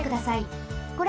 これ。